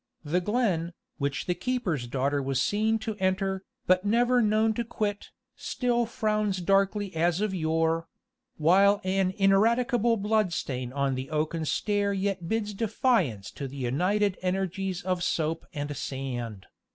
The Glen, which the keeper's daughter was seen to enter, but never known to quit, still frowns darkly as of yore; while an ineradicable blood stain on the oaken stair yet bids defiance to the united energies of soap and sand.